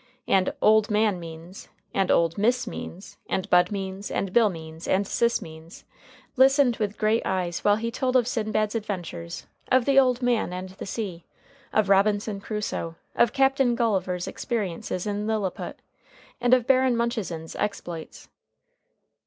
And "old man Means," and "old Miss Means," and Bud Means, and Bill Means, and Sis Means listened with great eyes while he told of Sinbad's adventures, of the Old Man of the Sea, of Robinson Crusoe, of Captain Gulliver's experiences in Liliput, and of Baron Munchausen's exploits.